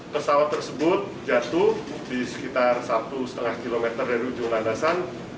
pesawat tersebut jatuh di sekitar satu lima km dari ujung landasan